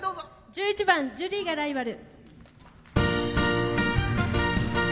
１１番「ジュリーがライバル」。